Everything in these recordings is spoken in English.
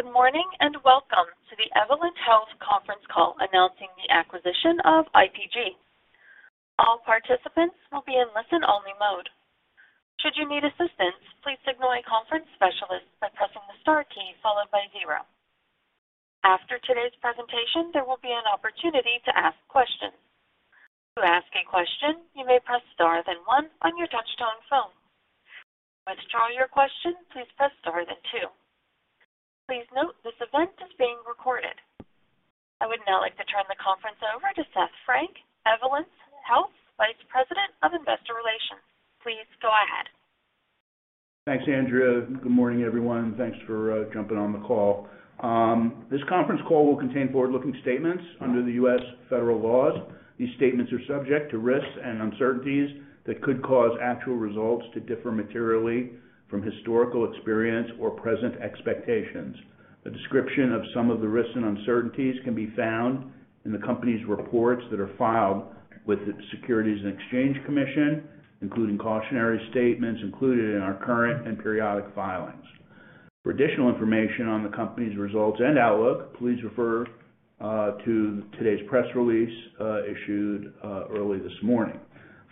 Good morning, and welcome to the Evolent Health conference call announcing the acquisition of IPG. All participants will be in listen-only mode. Should you need assistance, please signal a conference specialist by pressing the star key followed by zero. After today's presentation, there will be an opportunity to ask questions. To ask a question, you may press star, then one on your touch-tone phone. To withdraw your question, please press star, then two. Please note, this event is being recorded. I would now like to turn the conference over to Seth Frank, Evolent Health Vice President of Investor Relations. Please go ahead. Thanks, Andrea. Good morning, everyone. Thanks for jumping on the call. This conference call will contain forward-looking statements under the U.S. federal laws. These statements are subject to risks and uncertainties that could cause actual results to differ materially from historical experience or present expectations. A description of some of the risks and uncertainties can be found in the company's reports that are filed with the Securities and Exchange Commission, including cautionary statements included in our current and periodic filings. For additional information on the company's results and outlook, please refer to today's press release issued early this morning.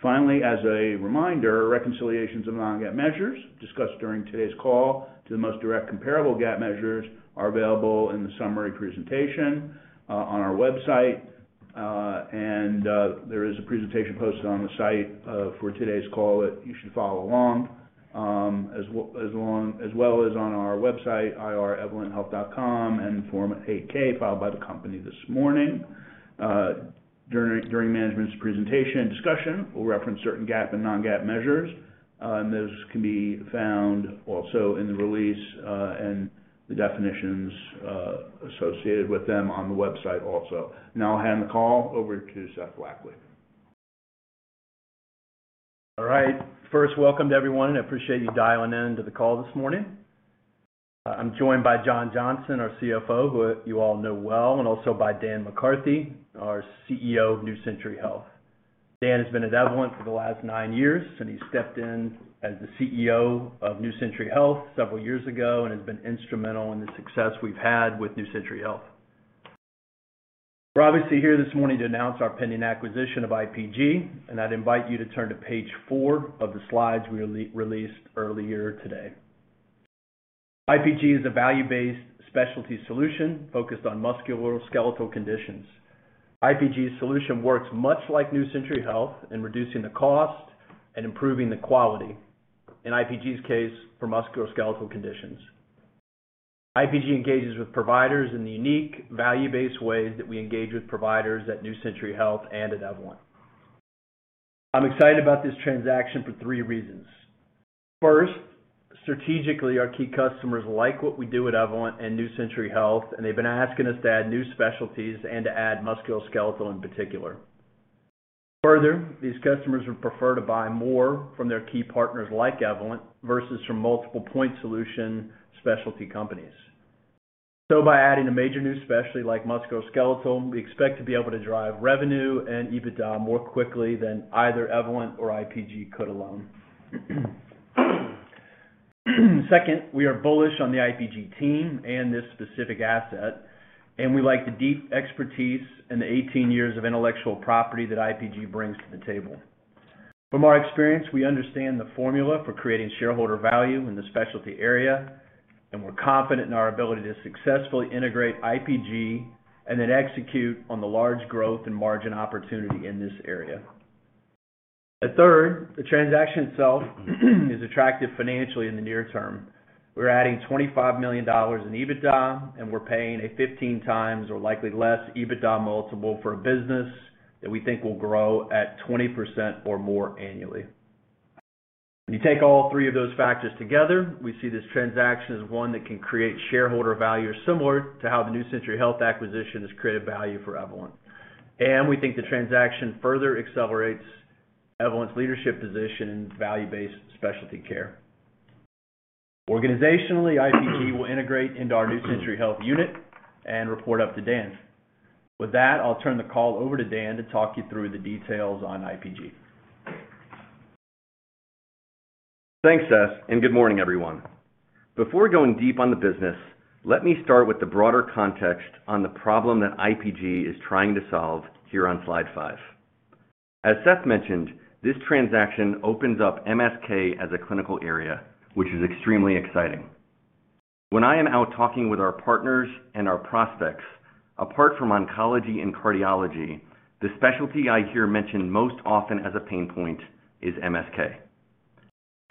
Finally, as a reminder, reconciliations of non-GAAP measures discussed during today's call to the most direct comparable GAAP measures are available in the summary presentation on our website. There is a presentation posted on the site for today's call that you should follow along as well as on our website, ir.evolenthealth.com, and in Form 8-K filed by the company this morning. During management's presentation and discussion, we'll reference certain GAAP and non-GAAP measures. Those can be found also in the release and the definitions associated with them on the website also. Now I'll hand the call over to Seth Blackley. All right. First, welcome to everyone. I appreciate you dialing in to the call this morning. I'm joined by John Johnson, our CFO, who you all know well, and also by Dan McCarthy, our CEO of New Century Health. Dan has been at Evolent for the last nine years, and he stepped in as the CEO of New Century Health several years ago and has been instrumental in the success we've had with New Century Health. We're obviously here this morning to announce our pending acquisition of IPG, and I'd invite you to turn to page four of the slides we released earlier today. IPG is a value-based specialty solution focused on musculoskeletal conditions. IPG's solution works much like New Century Health in reducing the cost and improving the quality, in IPG's case, for musculoskeletal conditions. IPG engages with providers in the unique value-based ways that we engage with providers at New Century Health and at Evolent. I'm excited about this transaction for three reasons. First, strategically, our key customers like what we do at Evolent and New Century Health, and they've been asking us to add new specialties and to add musculoskeletal in particular. Further, these customers would prefer to buy more from their key partners like Evolent versus from multiple point solution specialty companies. By adding a major new specialty like musculoskeletal, we expect to be able to drive revenue and EBITDA more quickly than either Evolent or IPG could alone. Second, we are bullish on the IPG team and this specific asset, and we like the deep expertise and the 18 years of intellectual property that IPG brings to the table. From our experience, we understand the formula for creating shareholder value in the specialty area, and we're confident in our ability to successfully integrate IPG and then execute on the large growth and margin opportunity in this area. The third, the transaction itself is attractive financially in the near term. We're adding $25 million in EBITDA, and we're paying a 15x or likely less EBITDA multiple for a business that we think will grow at 20% or more annually. If you take all three of those factors together, we see this transaction as one that can create shareholder value similar to how the New Century Health acquisition has created value for Evolent. We think the transaction further accelerates Evolent's leadership position in value-based specialty care. Organizationally, IPG will integrate into our New Century Health unit and report up to Dan. With that, I'll turn the call over to Dan to talk you through the details on IPG. Thanks, Seth, and good morning, everyone. Before going deep on the business, let me start with the broader context on the problem that IPG is trying to solve here on slide five. As Seth mentioned, this transaction opens up MSK as a clinical area, which is extremely exciting. When I am out talking with our partners and our prospects, apart from oncology and cardiology, the specialty I hear mentioned most often as a pain point is MSK.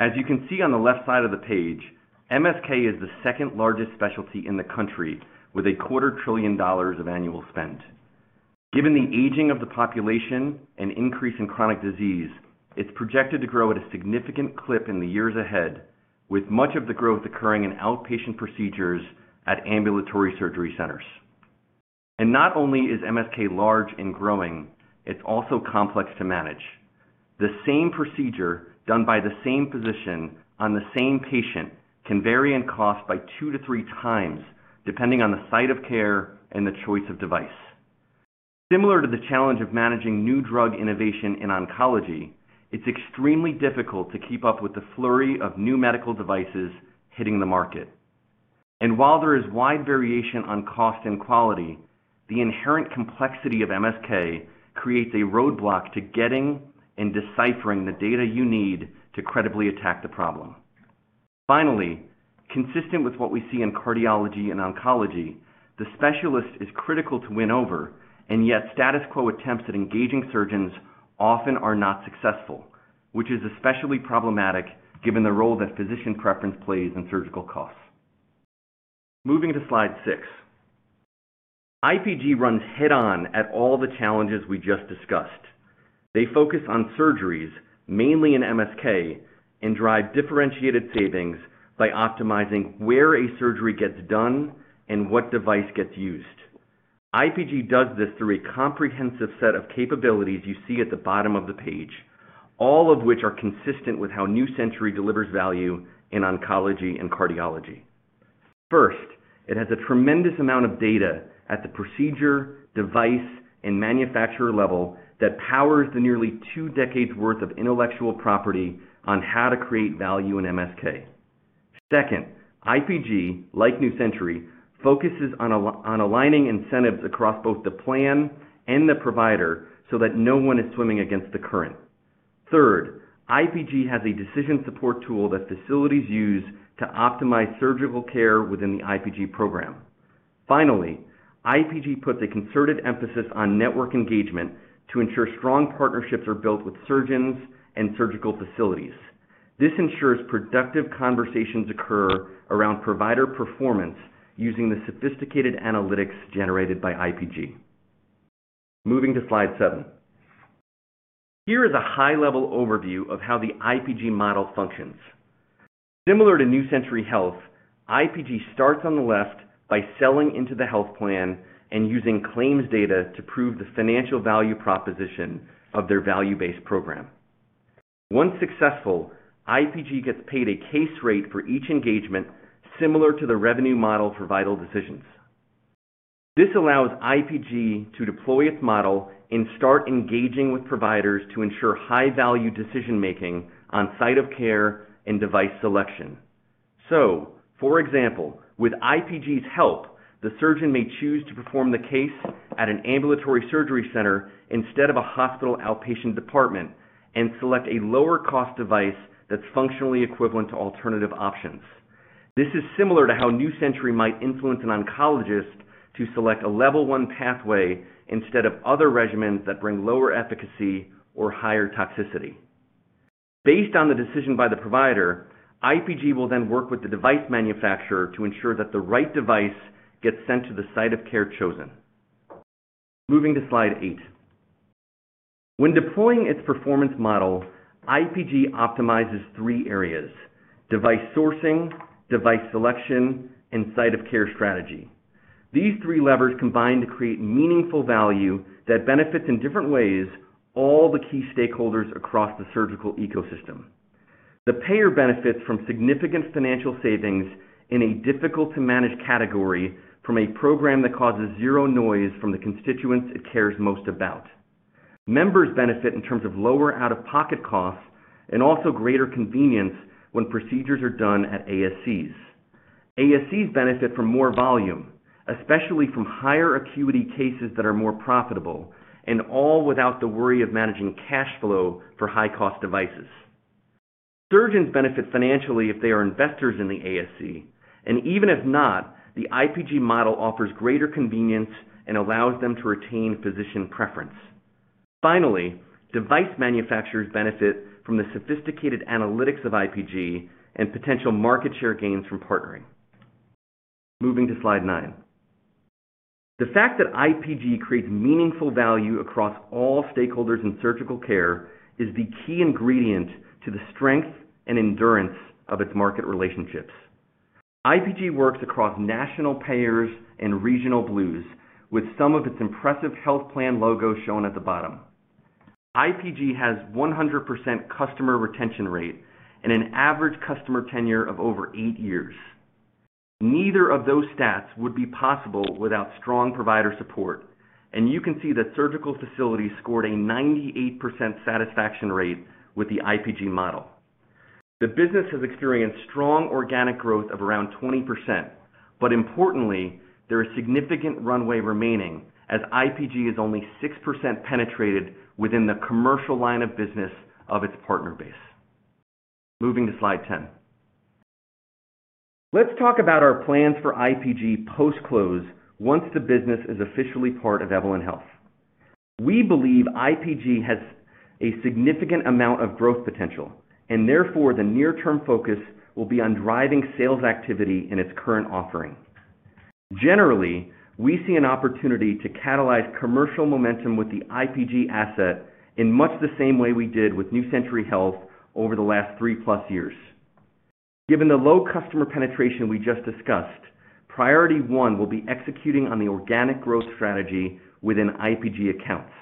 As you can see on the left side of the page, MSK is the second largest specialty in the country with a quarter trillion dollars of annual spend. Given the aging of the population and increase in chronic disease, it's projected to grow at a significant clip in the years ahead, with much of the growth occurring in outpatient procedures at ambulatory surgery centers. Not only is MSK large and growing, it's also complex to manage. The same procedure done by the same physician on the same patient can vary in cost by two to three times, depending on the site of care and the choice of device. Similar to the challenge of managing new drug innovation in oncology, it's extremely difficult to keep up with the flurry of new medical devices hitting the market. While there is wide variation on cost and quality, the inherent complexity of MSK creates a roadblock to getting and deciphering the data you need to credibly attack the problem. Finally, consistent with what we see in cardiology and oncology, the specialist is critical to win over, and yet status quo attempts at engaging surgeons often are not successful, which is especially problematic given the role that physician preference plays in surgical costs. Moving to slide six. IPG runs head-on at all the challenges we just discussed. They focus on surgeries, mainly in MSK, and drive differentiated savings by optimizing where a surgery gets done and what device gets used. IPG does this through a comprehensive set of capabilities you see at the bottom of the page, all of which are consistent with how New Century delivers value in oncology and cardiology. First, it has a tremendous amount of data at the procedure, device, and manufacturer level that powers the nearly two decades worth of intellectual property on how to create value in MSK. Second, IPG, like New Century, focuses on aligning incentives across both the plan and the provider so that no one is swimming against the current. Third, IPG has a decision support tool that facilities use to optimize surgical care within the IPG program. Finally, IPG puts a concerted emphasis on network engagement to ensure strong partnerships are built with surgeons and surgical facilities. This ensures productive conversations occur around provider performance using the sophisticated analytics generated by IPG. Moving to slide seven. Here is a high-level overview of how the IPG model functions. Similar to New Century Health, IPG starts on the left by selling into the health plan and using claims data to prove the financial value proposition of their value-based program. Once successful, IPG gets paid a case rate for each engagement similar to the revenue model for Vital Decisions. This allows IPG to deploy its model and start engaging with providers to ensure high-value decision-making on site of care and device selection. For example, with IPG's help, the surgeon may choose to perform the case at an ambulatory surgery center instead of a hospital outpatient department and select a lower cost device that's functionally equivalent to alternative options. This is similar to how New Century Health might influence an oncologist to select a level 1 pathway instead of other regimens that bring lower efficacy or higher toxicity. Based on the decision by the provider, IPG will then work with the device manufacturer to ensure that the right device gets sent to the site of care chosen. Moving to slide eight. When deploying its performance model, IPG optimizes three areas, device sourcing, device selection, and site of care strategy. These three levers combine to create meaningful value that benefits in different ways all the key stakeholders across the surgical ecosystem. The payer benefits from significant financial savings in a difficult to manage category from a program that causes zero noise from the constituents it cares most about. Members benefit in terms of lower out-of-pocket costs and also greater convenience when procedures are done at ASCs. ASCs benefit from more volume, especially from higher acuity cases that are more profitable, and all without the worry of managing cash flow for high cost devices. Surgeons benefit financially if they are investors in the ASC, and even if not, the IPG model offers greater convenience and allows them to retain physician preference. Finally, device manufacturers benefit from the sophisticated analytics of IPG and potential market share gains from partnering. Moving to slide nine. The fact that IPG creates meaningful value across all stakeholders in surgical care is the key ingredient to the strength and endurance of its market relationships. IPG works across national payers and regional Blues with some of its impressive health plan logos shown at the bottom. IPG has 100% customer retention rate and an average customer tenure of over eight years. Neither of those stats would be possible without strong provider support, and you can see that surgical facilities scored a 98% satisfaction rate with the IPG model. The business has experienced strong organic growth of around 20%, but importantly, there is significant runway remaining as IPG is only 6% penetrated within the commercial line of business of its partner base. Moving to slide 10. Let's talk about our plans for IPG post-close once the business is officially part of Evolent Health. We believe IPG has a significant amount of growth potential, and therefore, the near-term focus will be on driving sales activity in its current offering. Generally, we see an opportunity to catalyze commercial momentum with the IPG asset in much the same way we did with New Century Health over the last three-plus years. Given the low customer penetration we just discussed, priority one will be executing on the organic growth strategy within IPG accounts.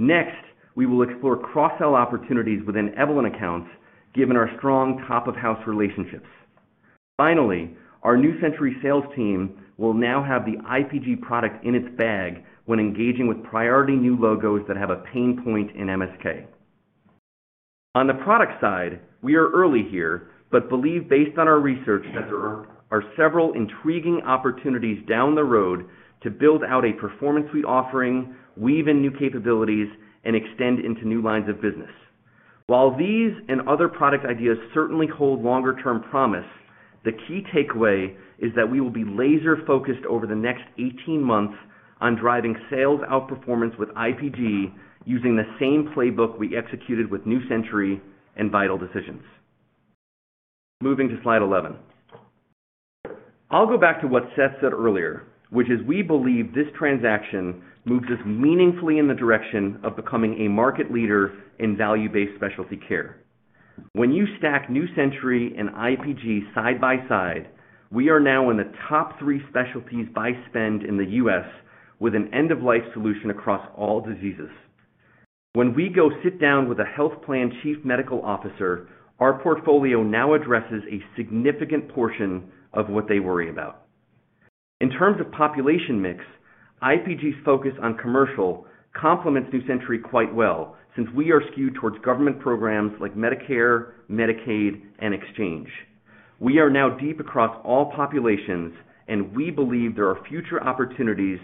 Next, we will explore cross-sell opportunities within Evolent accounts given our strong top of house relationships. Finally, our New Century sales team will now have the IPG product in its bag when engaging with priority new logos that have a pain point in MSK. On the product side, we are early here, but believe based on our research that there are several intriguing opportunities down the road to build out a Performance Suite offering, weave in new capabilities, and extend into new lines of business. While these and other product ideas certainly hold longer-term promise, the key takeaway is that we will be laser-focused over the next 18 months on driving sales outperformance with IPG using the same playbook we executed with New Century Health and Vital Decisions. Moving to slide 11. I'll go back to what Seth said earlier, which is we believe this transaction moves us meaningfully in the direction of becoming a market leader in value-based specialty care. When you stack New Century Health and IPG side by side, we are now in the top three specialties by spend in the U.S. with an end-of-life solution across all diseases. When we go sit down with a health plan chief medical officer, our portfolio now addresses a significant portion of what they worry about. In terms of population mix, IPG's focus on commercial complements New Century Health quite well since we are skewed towards government programs like Medicare, Medicaid, and Exchange. We are now deep across all populations, and we believe there are future opportunities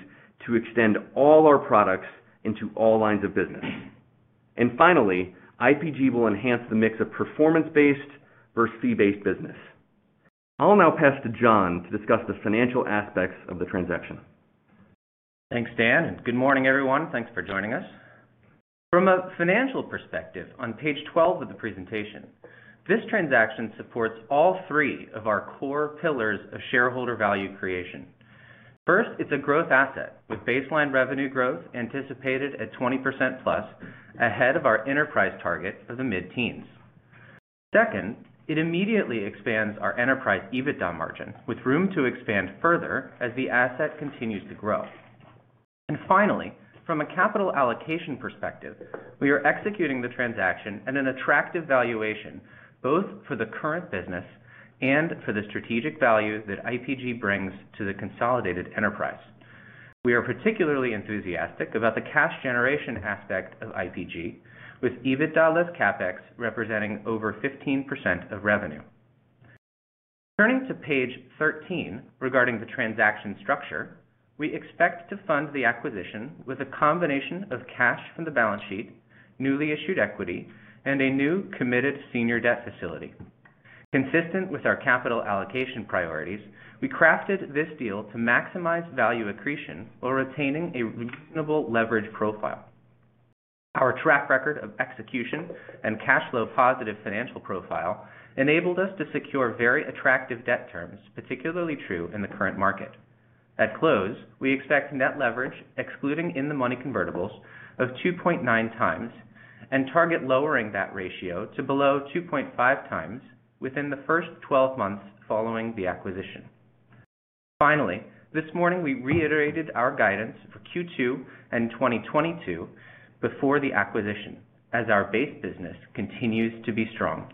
to extend all our products into all lines of business. Finally, IPG will enhance the mix of performance-based versus fee-based business. I'll now pass to John to discuss the financial aspects of the transaction. Thanks, Dan, and good morning, everyone. Thanks for joining us. From a financial perspective on page 12 of the presentation, this transaction supports all three of our core pillars of shareholder value creation. First, it's a growth asset with baseline revenue growth anticipated at 20% plus ahead of our enterprise target for the mid-teens. Second, it immediately expands our enterprise EBITDA margin with room to expand further as the asset continues to grow. Finally, from a capital allocation perspective, we are executing the transaction at an attractive valuation, both for the current business and for the strategic value that IPG brings to the consolidated enterprise. We are particularly enthusiastic about the cash generation aspect of IPG, with EBITDA less CapEx representing over 15% of revenue. Turning to page 13 regarding the transaction structure, we expect to fund the acquisition with a combination of cash from the balance sheet, newly issued equity, and a new committed senior debt facility. Consistent with our capital allocation priorities, we crafted this deal to maximize value accretion while retaining a reasonable leverage profile. Our track record of execution and cash flow positive financial profile enabled us to secure very attractive debt terms, particularly true in the current market. At close, we expect net leverage excluding in-the-money convertibles of 2.9 times and target lowering that ratio to below 2.5 times within the first 12 months following the acquisition. Finally, this morning, we reiterated our guidance for Q2 and 2022 before the acquisition as our base business continues to be strong.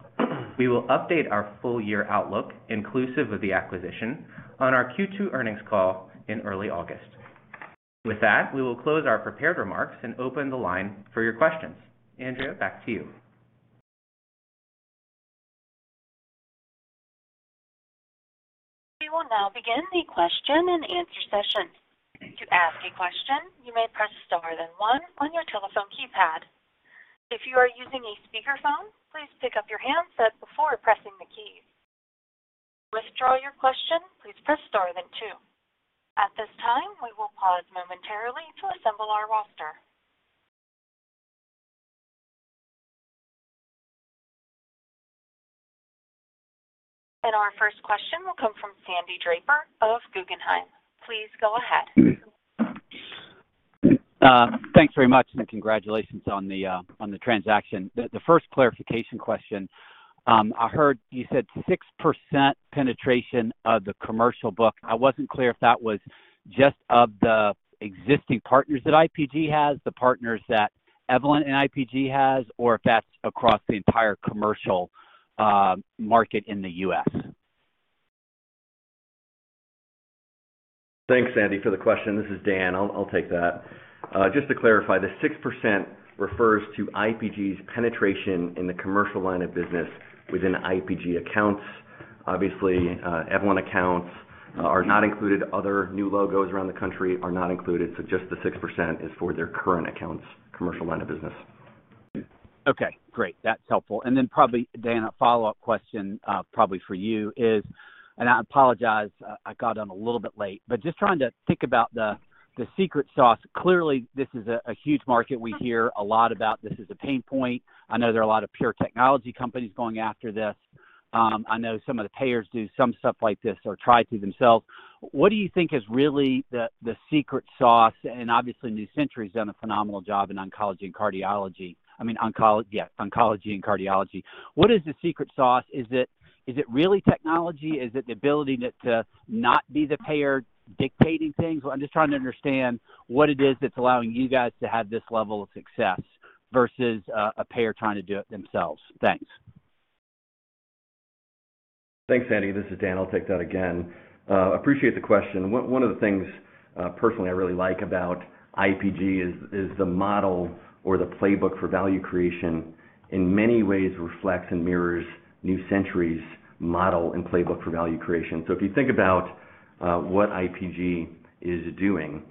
We will update our full year outlook inclusive of the acquisition on our Q2 earnings call in early August. With that, we will close our prepared remarks and open the line for your questions. Andrea, back to you. We will now begin the question and answer session. To ask a question, you may press star then one on your telephone keypad. If you are using a speakerphone, please pick up your handset before pressing the key. To withdraw your question, please press star then two. At this time, we will pause momentarily to assemble our roster. Our first question will come from Sandy Draper of Guggenheim. Please go ahead. Thanks very much and congratulations on the transaction. The first clarification question, I heard you said 6% penetration of the commercial book. I wasn't clear if that was just of the existing partners that IPG has, the partners that Evolent and IPG has, or if that's across the entire commercial market in the U.S. Thanks, Sandy, for the question. This is Dan. I'll take that. Just to clarify, the 6% refers to IPG's penetration in the commercial line of business within IPG accounts. Obviously, Evolent accounts are not included. Other new logos around the country are not included, so just the 6% is for their current accounts commercial line of business. Okay, great. That's helpful. Probably, Dan, a follow-up question, probably for you is, and I apologize, I got on a little bit late, but just trying to think about the secret sauce. Clearly, this is a huge market we hear a lot about. This is a pain point. I know there are a lot of pure technology companies going after this. I know some of the payers do some stuff like this or try to themselves. What do you think is really the secret sauce? Obviously, New Century has done a phenomenal job in oncology and cardiology. What is the secret sauce? Is it really technology? Is it the ability to not be the payer dictating things? I'm just trying to understand what it is that's allowing you guys to have this level of success versus a payer trying to do it themselves. Thanks. Thanks, Sandy. This is Dan. I'll take that again. Appreciate the question. One of the things, personally I really like about IPG is the model or the playbook for value creation in many ways reflects and mirrors New Century's model and playbook for value creation. If you think about what IPG is doing,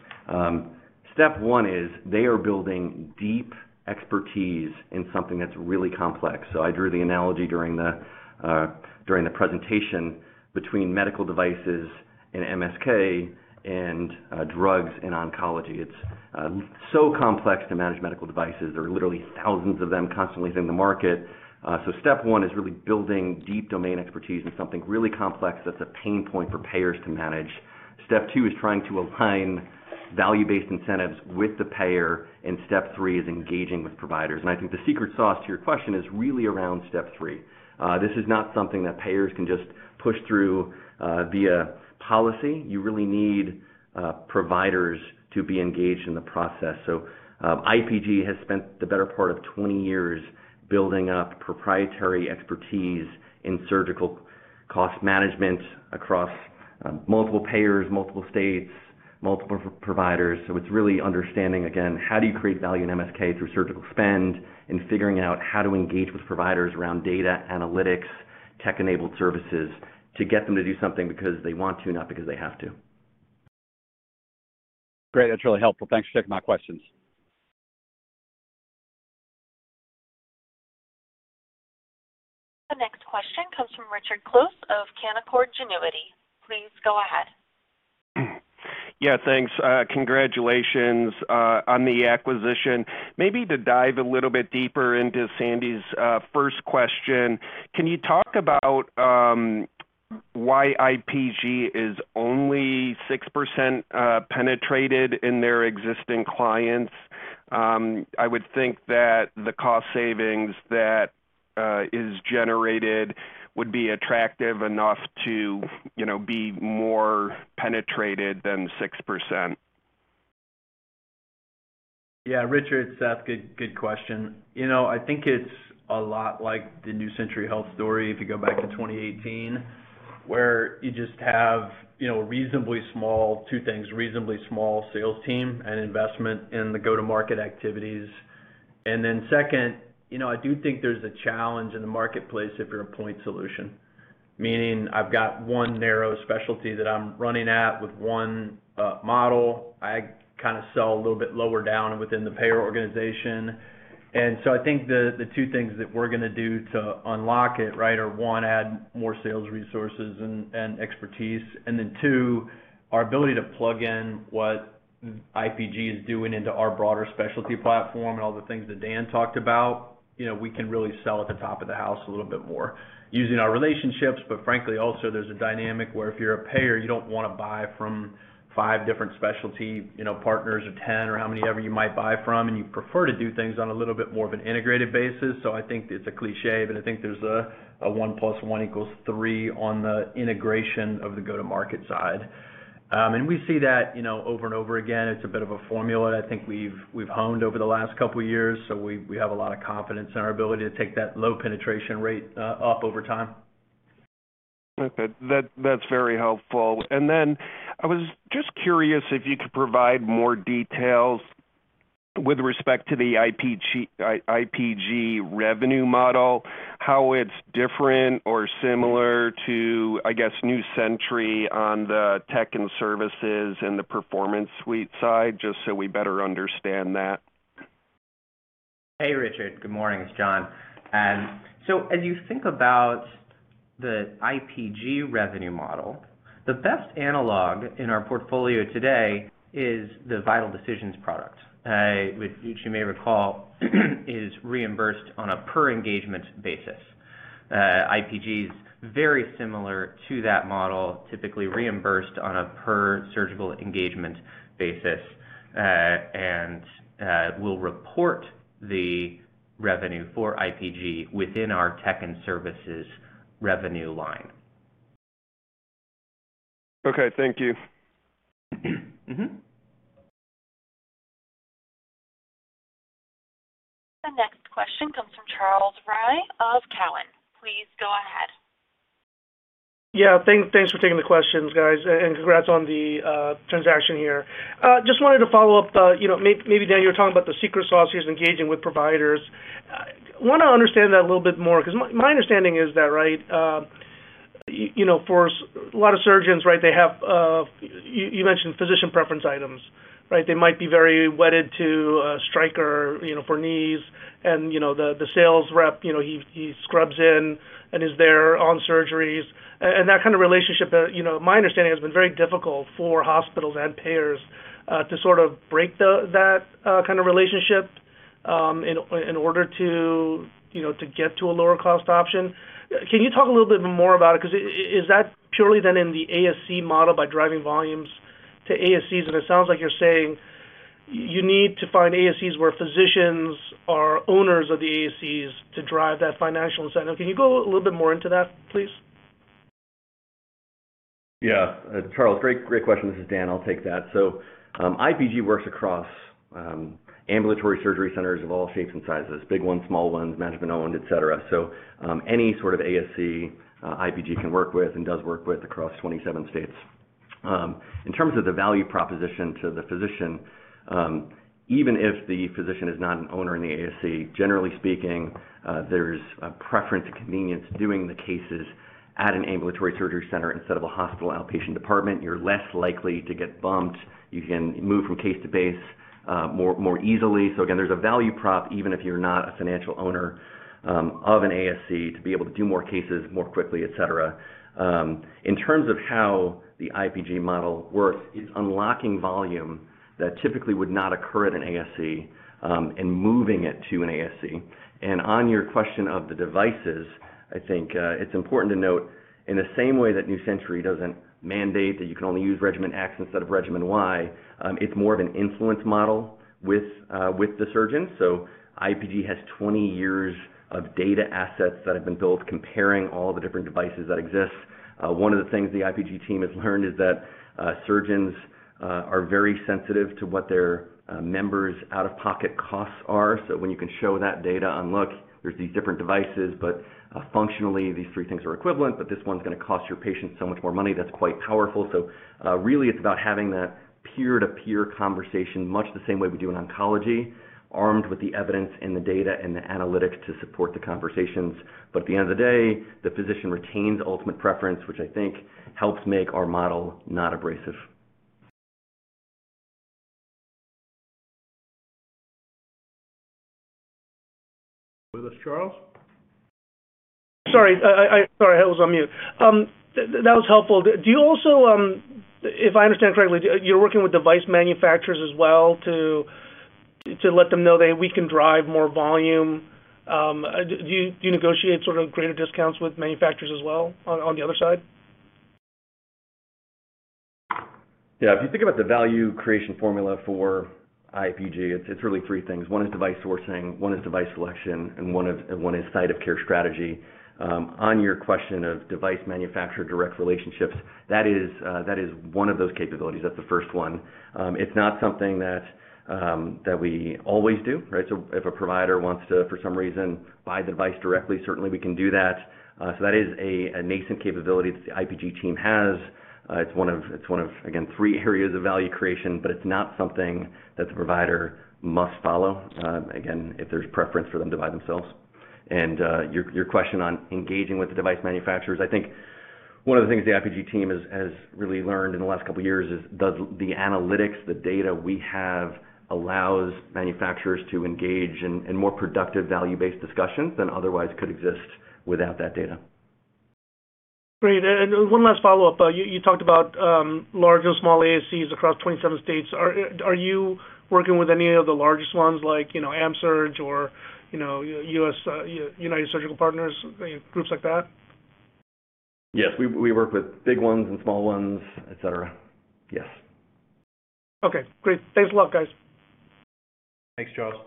step one is they are building deep expertise in something that's really complex. I drew the analogy during the presentation between medical devices and MSK and drugs and oncology. It's so complex to manage medical devices. There are literally thousands of them constantly hitting the market. Step one is really building deep domain expertise in something really complex that's a pain point for payers to manage. Step two is trying to align value-based incentives with the payer, and step three is engaging with providers. I think the secret sauce to your question is really around step three. This is not something that payers can just push through via policy. You really need providers to be engaged in the process. IPG has spent the better part of 20 years building up proprietary expertise in surgical cost management across multiple payers, multiple states, multiple providers. It's really understanding, again, how do you create value in MSK through surgical spend and figuring out how to engage with providers around data analytics, tech-enabled services to get them to do something because they want to, not because they have to. Great. That's really helpful. Thanks for taking my questions. The next question comes from Richard Close of Canaccord Genuity. Please go ahead. Yeah, thanks. Congratulations on the acquisition. Maybe to dive a little bit deeper into Sandy's first question, can you talk about why IPG is only 6% penetrated in their existing clients? I would think that the cost savings that is generated would be attractive enough to, you know, be more penetrated than 6%. Yeah. Richard, Seth, good question. You know, I think it's a lot like the New Century Health story, if you go back to 2018, where you just have, you know, reasonably small two things, reasonably small sales team and investment in the go-to-market activities. Then second, you know, I do think there's a challenge in the marketplace if you're a point solution. Meaning I've got one narrow specialty that I'm running at with one model. I kinda sell a little bit lower down within the payer organization. I think the two things that we're gonna do to unlock it, right, are 1, add more sales resources and expertise, and then 2, our ability to plug in what IPG is doing into our broader specialty platform and all the things that Dan talked about, you know, we can really sell at the top of the house a little bit more using our relationships. Frankly, also there's a dynamic where if you're a payer, you don't wanna buy from 5 different specialty, you know, partners or 10 or how many ever you might buy from, and you prefer to do things on a little bit more of an integrated basis. I think it's a cliché, but I think there's a 1 + 1 = 3 on the integration of the go-to-market side. We see that, you know, over and over again. It's a bit of a formula that I think we've honed over the last couple years, so we have a lot of confidence in our ability to take that low penetration rate up over time. Okay. That's very helpful. Then I was just curious if you could provide more details with respect to the IPG revenue model, how it's different or similar to, I guess, New Century on the tech and services and the performance suite side, just so we better understand that. Hey, Richard Close. Good morning. It's John Johnson. As you think about the IPG revenue model, the best analog in our portfolio today is the Vital Decisions product, which you may recall is reimbursed on a per engagement basis. IPG's very similar to that model, typically reimbursed on a per surgical engagement basis. We'll report the revenue for IPG within our tech and services revenue line. Okay. Thank you. Mm-hmm. The next question comes from Charles Rhyee of Cowen. Please go ahead. Yeah. Thanks for taking the questions, guys, and congrats on the transaction here. Just wanted to follow up on the, you know, maybe Dan, you were talking about the secret sauce in engaging with providers. Want to understand that a little bit more 'cause my understanding is that, right, you know, for a lot of surgeons, right, they have, you mentioned physician preference items, right? They might be very wedded to a Stryker, you know, for knees and, you know, the sales rep, you know, he scrubs in and is there in surgeries. And that kind of relationship, you know, my understanding has been very difficult for hospitals and payers, to sort of break that kind of relationship, in order to, you know, to get to a lower cost option. Can you talk a little bit more about it? 'Cause is that purely then in the ASC model by driving volumes to ASCs? It sounds like you're saying you need to find ASCs where physicians are owners of the ASCs to drive that financial incentive. Can you go a little bit more into that, please? Yeah. Charles, great question. This is Dan. I'll take that. IPG works across ambulatory surgery centers of all shapes and sizes. Big ones, small ones, management-owned, et cetera. Any sort of ASC, IPG can work with and does work with across 27 states. In terms of the value proposition to the physician, even if the physician is not an owner in the ASC, generally speaking, there's a preference and convenience doing the cases at an ambulatory surgery center instead of a hospital outpatient department. You're less likely to get bumped. You can move from case to case more easily. Again, there's a value prop, even if you're not a financial owner of an ASC, to be able to do more cases more quickly, et cetera. In terms of how the IPG model works is unlocking volume that typically would not occur at an ASC, and moving it to an ASC. On your question of the devices, I think it's important to note, in the same way that New Century doesn't mandate that you can only use regimen X instead of regimen Y, it's more of an influence model with the surgeon. IPG has 20 years of data assets that have been built comparing all the different devices that exist. One of the things the IPG team has learned is that surgeons are very sensitive to what their members' out-of-pocket costs are. When you can show that data on, "Look, there's these different devices, but, functionally, these three things are equivalent, but this one's gonna cost your patient so much more money," that's quite powerful. Really, it's about having that peer-to-peer conversation, much the same way we do in oncology, armed with the evidence and the data and the analytics to support the conversations. At the end of the day, the physician retains ultimate preference, which I think helps make our model not abrasive. With us, Charles? Sorry, I was on mute. That was helpful. Do you also, if I understand correctly, you're working with device manufacturers as well to let them know that we can drive more volume. Do you negotiate sort of greater discounts with manufacturers as well on the other side? Yeah. If you think about the value creation formula for IPG, it's really three things. One is device sourcing, one is device selection, and one is site of care strategy. On your question of device manufacturer direct relationships, that is one of those capabilities. That's the first one. It's not something that we always do, right? If a provider wants to, for some reason, buy the device directly, certainly we can do that. That is a nascent capability that the IPG team has. It's one of, again, three areas of value creation, but it's not something that the provider must follow, again, if there's preference for them to buy themselves. Your question on engaging with the device manufacturers, I think one of the things the IPG team has really learned in the last couple of years is, does the analytics, the data we have allows manufacturers to engage in more productive value-based discussions than otherwise could exist without that data. Great. One last follow-up. You talked about large and small ASCs across 27 states. Are you working with any of the largest ones like, you know, AMSURG or, you know, US, United Surgical Partners, groups like that? Yes. We work with big ones and small ones, et cetera. Yes. Okay, great. Thanks a lot, guys. Thanks, Charles.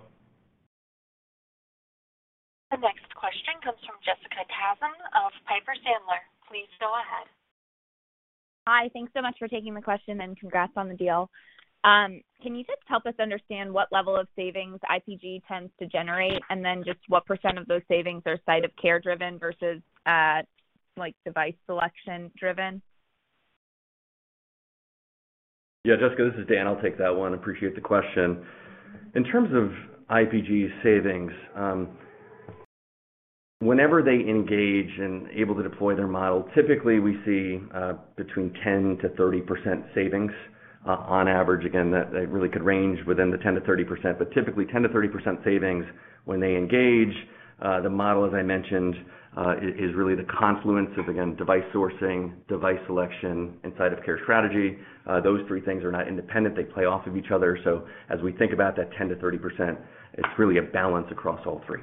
The next question comes from Jessica Tassan of Piper Sandler. Please go ahead. Hi. Thanks so much for taking the question, and congrats on the deal. Can you just help us understand what level of savings IPG tends to generate, and then just what % of those savings are site of care driven versus, like, device selection driven? Yeah. Jessica, this is Dan. I'll take that one. Appreciate the question. In terms of IPG savings, whenever they engage and able to deploy their model, typically we see between 10%-30% savings on average. Again, that really could range within the 10%-30%. Typically 10%-30% savings when they engage the model, as I mentioned, is really the confluence of, again, device sourcing, device selection, and site of care strategy. Those three things are not independent. They play off of each other. As we think about that 10%-30%, it's really a balance across all three.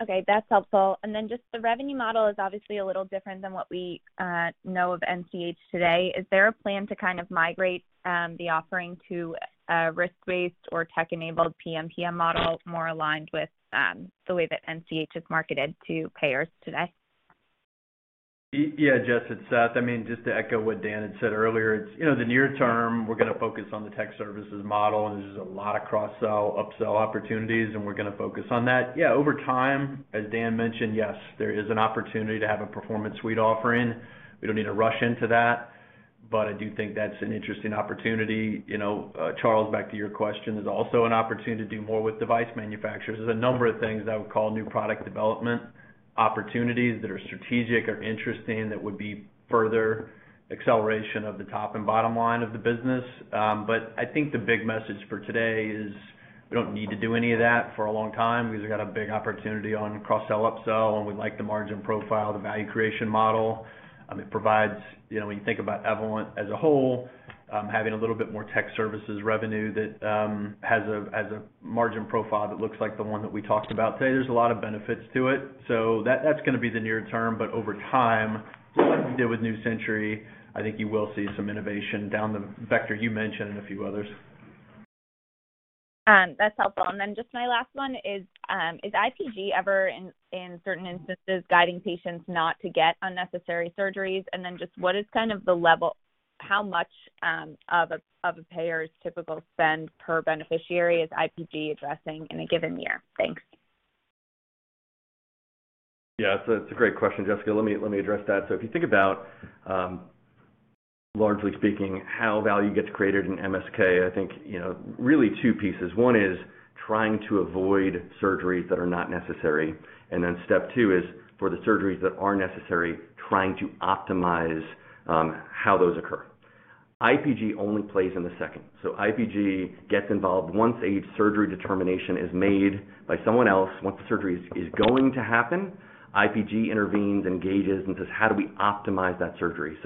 Okay, that's helpful. The revenue model is obviously a little different than what we know of NCH today. Is there a plan to kind of migrate the offering to a risk-based or tech-enabled PMPM model more aligned with the way that NCH is marketed to payers today? Yeah, Jess, it's Seth. I mean, just to echo what Dan had said earlier, it's, you know, the near term, we're gonna focus on the tech services model, and there's a lot of cross-sell, up-sell opportunities, and we're gonna focus on that. Yeah, over time, as Dan mentioned, yes, there is an opportunity to have a Performance Suite offering. We don't need to rush into that, but I do think that's an interesting opportunity. You know, Charles, back to your question, there's also an opportunity to do more with device manufacturers. There's a number of things I would call new product development opportunities that are strategic or interesting that would be further acceleration of the top and bottom line of the business. I think the big message for today is we don't need to do any of that for a long time because we've got a big opportunity on cross-sell, up-sell, and we like the margin profile, the value creation model. It provides, you know, when you think about Evolent as a whole, having a little bit more tech services revenue that has a margin profile that looks like the one that we talked about today, there's a lot of benefits to it. That's gonna be the near term. Over time, like we did with New Century, I think you will see some innovation down the vector you mentioned and a few others. That's helpful. Just my last one is IPG ever in certain instances guiding patients not to get unnecessary surgeries? Just what is kind of the level, how much of a payer's typical spend per beneficiary is IPG addressing in a given year? Thanks. Yeah, that's a great question, Jessica. Let me address that. If you think about, largely speaking, how value gets created in MSK, I think, you know, really two pieces. One is trying to avoid surgeries that are not necessary. Then step two is for the surgeries that are necessary, trying to optimize how those occur. IPG only plays in the second. IPG gets involved once a surgery determination is made by someone else. Once the surgery is going to happen, IPG intervenes, engages, and says, "How do we optimize that surgery?"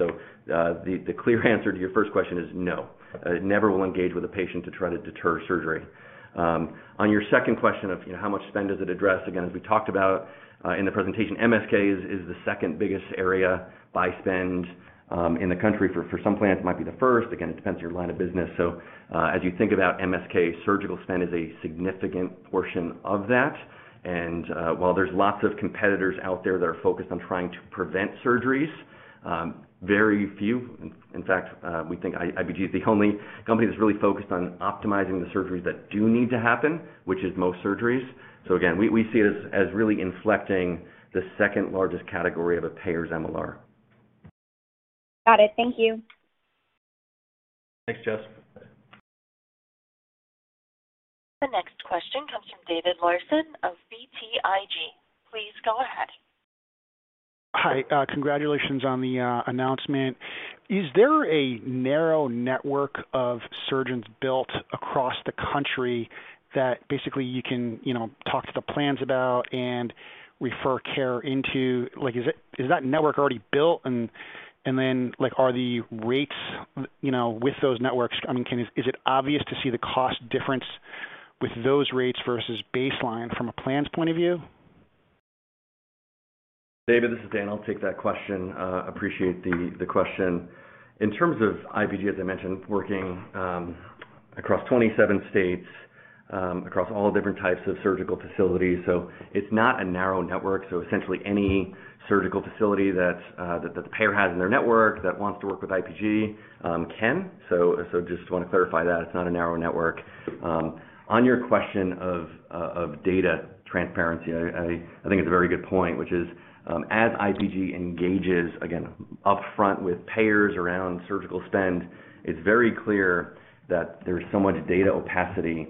The clear answer to your first question is no, it never will engage with a patient to try to deter surgery. On your second question of, you know, how much spend does it address, again, as we talked about, in the presentation, MSK is the second biggest area by spend, in the country. For some plans, it might be the first. Again, it depends on your line of business. As you think about MSK, surgical spend is a significant portion of that. While there's lots of competitors out there that are focused on trying to prevent surgeries, very few, in fact, we think IPG is the only company that's really focused on optimizing the surgeries that do need to happen, which is most surgeries. Again, we see it as really inflecting the second-largest category of a payer's MLR. Got it. Thank you. Thanks, Jess. The next question comes from David Larsen of BTIG. Please go ahead. Hi. Congratulations on the announcement. Is there a narrow network of surgeons built across the country that basically you can, you know, talk to the plans about and refer care into? Like, is that network already built? Then, like, are the rates, you know, with those networks, I mean, is it obvious to see the cost difference with those rates versus baseline from a plan's point of view? David, this is Dan. I'll take that question. Appreciate the question. In terms of IPG, as I mentioned, working across 27 states, across all different types of surgical facilities, so it's not a narrow network. Essentially any surgical facility that the payer has in their network that wants to work with IPG, can. Just wanna clarify that it's not a narrow network. On your question of data transparency, I think it's a very good point, which is, as IPG engages, again, upfront with payers around surgical spend, it's very clear that there's so much data opacity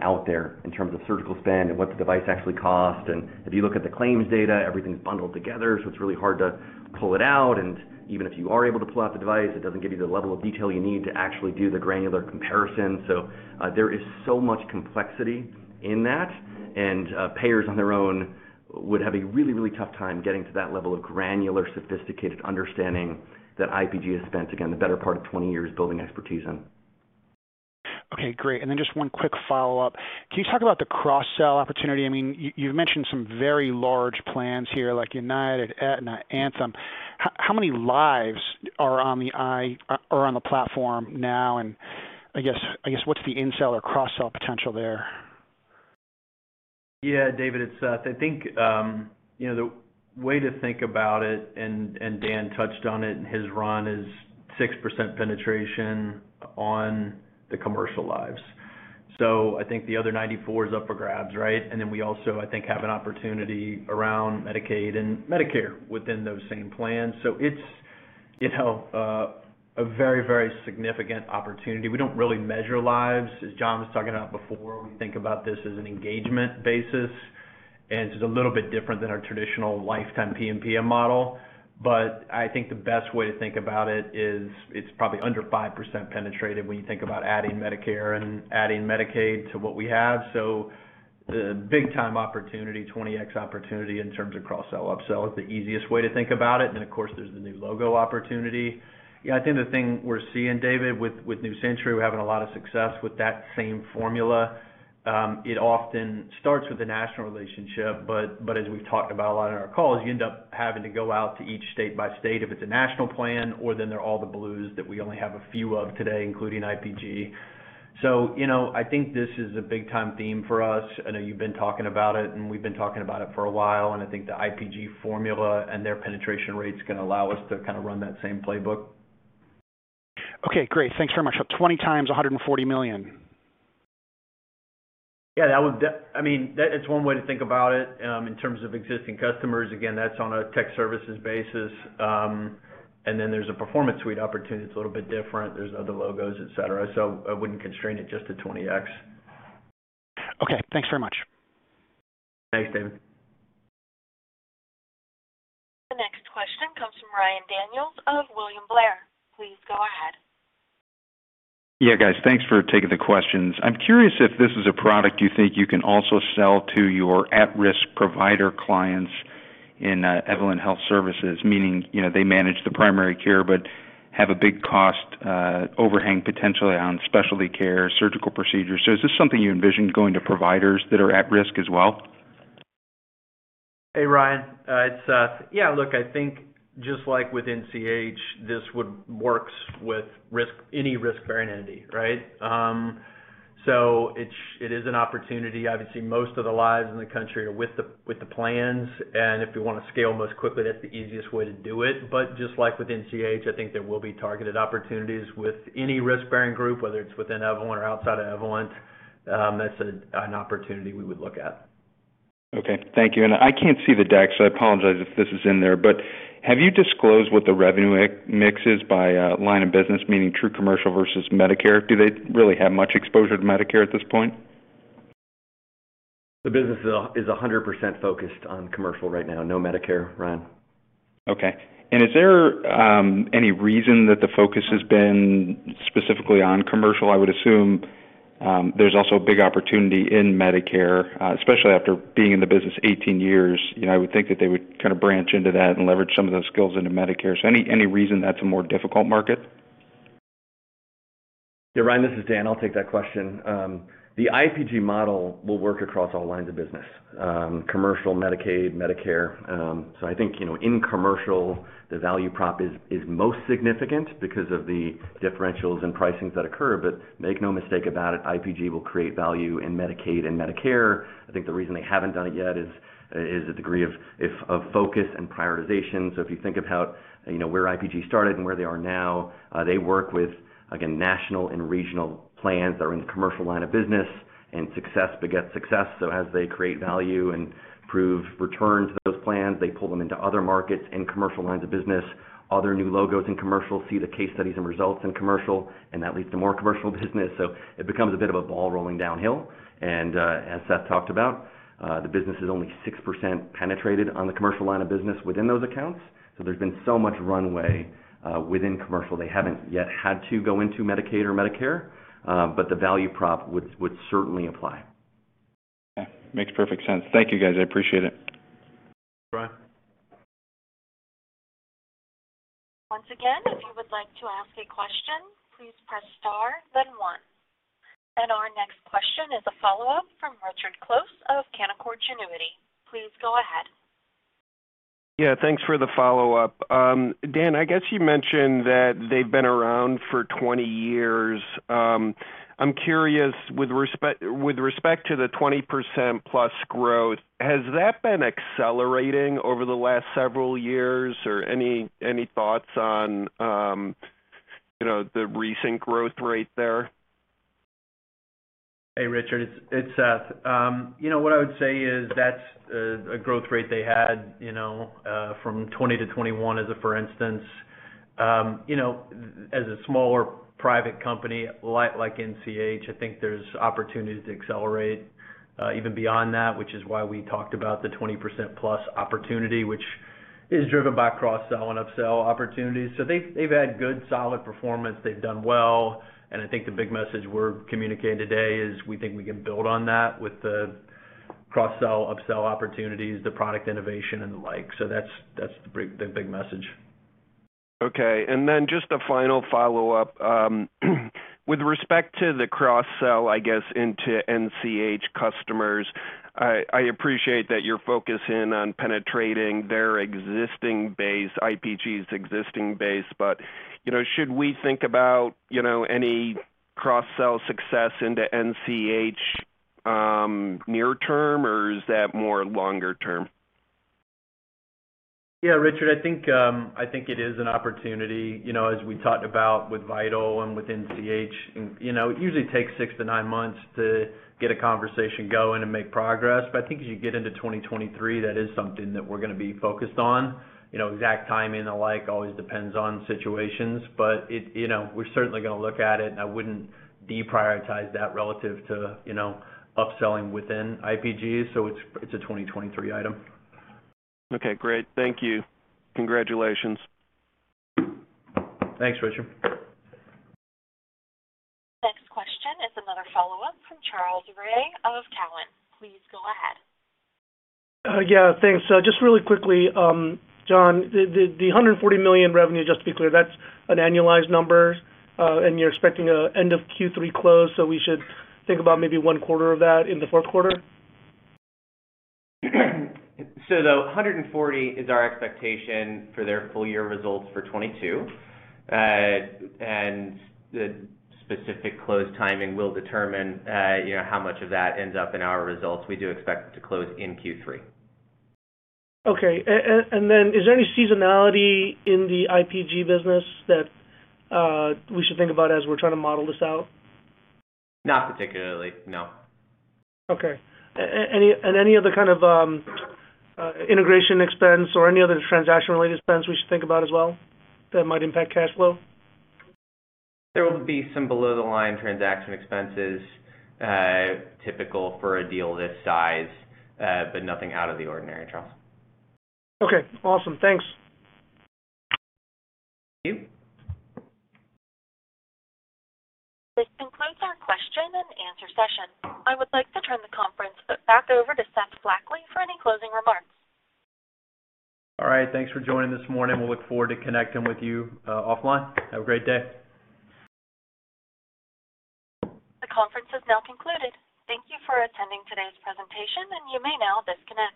out there in terms of surgical spend and what the device actually cost. If you look at the claims data, everything's bundled together, so it's really hard to pull it out. Even if you are able to pull out the device, it doesn't give you the level of detail you need to actually do the granular comparison. There is so much complexity in that, and payers on their own would have a really, really tough time getting to that level of granular, sophisticated understanding that IPG has spent, again, the better part of 20 years building expertise in. Okay, great. Just one quick follow-up. Can you talk about the cross-sell opportunity? I mean, you've mentioned some very large plans here, like United, Aetna, Anthem. How many lives are on the platform now? I guess what's the in-sell or cross-sell potential there? Yeah, David, it's Seth. I think, you know, the way to think about it, and Dan touched on it in his run, is 6% penetration on the commercial lives. I think the other 94 is up for grabs, right? We also, I think, have an opportunity around Medicaid and Medicare within those same plans. It's, you know, a very, very significant opportunity. We don't really measure lives. As John was talking about before, we think about this as an engagement basis, and it's a little bit different than our traditional lifetime PMPM model. I think the best way to think about it is it's probably under 5% penetrated when you think about adding Medicare and adding Medicaid to what we have. The big time opportunity, 20x opportunity in terms of cross-sell, upsell is the easiest way to think about it. Then, of course, there's the new logo opportunity. Yeah, I think the thing we're seeing, David, with New Century, we're having a lot of success with that same formula. It often starts with a national relationship, but as we've talked about a lot in our calls, you end up having to go out to each state by state if it's a national plan or then they're all the Blues that we only have a few of today, including IPG. You know, I think this is a big time theme for us. I know you've been talking about it, and we've been talking about it for a while, and I think the IPG formula and their penetration rate is gonna allow us to kind of run that same playbook. Okay, great. Thanks very much. 20 times $140 million? I mean, that is one way to think about it, in terms of existing customers. Again, that's on a tech services basis. Then there's a Performance Suite opportunity that's a little bit different. There's other logos, et cetera. I wouldn't constrain it just to 20x. Okay, thanks very much. Thanks, David. The next question comes from Ryan Daniels of William Blair. Please go ahead. Yeah, guys. Thanks for taking the questions. I'm curious if this is a product you think you can also sell to your at-risk provider clients in Evolent Health Services, meaning, you know, they manage the primary care but have a big cost overhang potentially on specialty care, surgical procedures. Is this something you envision going to providers that are at risk as well? Hey, Ryan, it's Seth. Yeah, look, I think just like with NCH, this works with any risk-bearing entity, right? It is an opportunity. Obviously, most of the lives in the country are with the plans, and if we wanna scale most quickly, that's the easiest way to do it. Just like with NCH, I think there will be targeted opportunities with any risk-bearing group, whether it's within Evolent or outside of Evolent, that's an opportunity we would look at. Okay. Thank you. I can't see the deck, so I apologize if this is in there, but have you disclosed what the revenue mix is by line of business, meaning true commercial versus Medicare? Do they really have much exposure to Medicare at this point? The business is 100% focused on commercial right now. No Medicare, Ryan. Okay. Is there any reason that the focus has been specifically on commercial? I would assume, there's also a big opportunity in Medicare, especially after being in the business 18 years. You know, I would think that they would kinda branch into that and leverage some of those skills into Medicare. Any reason that's a more difficult market? Yeah, Ryan, this is Dan. I'll take that question. The IPG model will work across all lines of business, commercial, Medicaid, Medicare. I think, you know, in commercial, the value prop is most significant because of the differentials in pricings that occur. Make no mistake about it, IPG will create value in Medicaid and Medicare. I think the reason they haven't done it yet is the degree of focus and prioritization. If you think about, you know, where IPG started and where they are now, they work with, again, national and regional plans that are in the commercial line of business, and success begets success. As they create value and prove returns of those plans, they pull them into other markets in commercial lines of business. Other new logos in commercial, see the case studies and results in commercial, and that leads to more commercial business. It becomes a bit of a ball rolling downhill. As Seth talked about, the business is only 6% penetrated on the commercial line of business within those accounts, so there's been so much runway within commercial. They haven't yet had to go into Medicaid or Medicare, but the value prop would certainly apply. Yeah. Makes perfect sense. Thank you, guys. I appreciate it. Thanks, Ryan. Once again, if you would like to ask a question, please press star then one. Our next question is a follow-up from Richard Close of Canaccord Genuity. Please go ahead. Yeah, thanks for the follow-up. Dan, I guess you mentioned that they've been around for 20 years. I'm curious, with respect to the 20% plus growth, has that been accelerating over the last several years? Or any thoughts on, you know, the recent growth rate there? Hey, Richard, it's Seth. You know, what I would say is that's a growth rate they had, you know, from 2020 to 2021 as a for instance. You know, as a smaller private company like NCH, I think there's opportunities to accelerate even beyond that, which is why we talked about the 20%+ opportunity, which is driven by cross-sell and upsell opportunities. They've had good, solid performance. They've done well, and I think the big message we're communicating today is we think we can build on that with the cross-sell, upsell opportunities, the product innovation and the like. That's the big message. Okay. Just a final follow-up. With respect to the cross-sell, I guess, into NCH customers, I appreciate that you're focused in on penetrating their existing base, IPG's existing base, but, you know, should we think about, you know, any cross-sell success into NCH, near term, or is that more longer term? Yeah, Richard, I think it is an opportunity. You know, as we talked about with Vital and with NCH, you know, it usually takes 6-9 months to get a conversation going and make progress. I think as you get into 2023, that is something that we're gonna be focused on. You know, exact timing and the like always depends on situations, but it, you know, we're certainly gonna look at it and I wouldn't deprioritize that relative to, you know, upselling within IPG, so it's a 2023 item. Okay, great. Thank you. Congratulations. Thanks, Richard. Next question is another follow-up from Charles Rhyee of Cowen. Please go ahead. Yeah, thanks. Just really quickly, John, the $140 million revenue, just to be clear, that's an annualized number, and you're expecting an end of Q3 close, so we should think about maybe one quarter of that in the fourth quarter? The 140 is our expectation for their full year results for 2022. The specific close timing will determine, you know, how much of that ends up in our results. We do expect to close in Q3. Okay. Is there any seasonality in the IPG business that we should think about as we're trying to model this out? Not particularly, no. Okay. Any other kind of integration expense or any other transaction-related expense we should think about as well that might impact cash flow? There will be some below the line transaction expenses, typical for a deal this size, but nothing out of the ordinary, Charles. Okay, awesome. Thanks. Thank you. This concludes our question and answer session. I would like to turn the conference back over to Seth Blackley for any closing remarks. All right. Thanks for joining this morning. We'll look forward to connecting with you, offline. Have a great day. The conference has now concluded. Thank you for attending today's presentation, and you may now disconnect.